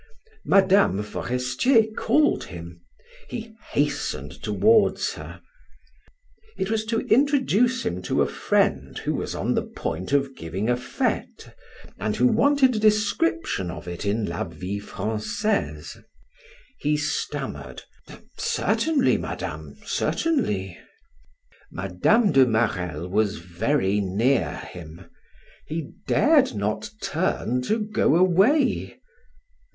Mme. Forestier called him; he hastened toward her. It was to introduce him to a friend who was on the point of giving a fete, and who wanted a description of it in "La Vie Francaise." He stammered: "Certainly, Madame, certainly." Madame de Marelle was very near him; he dared not turn to go away.